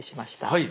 はい。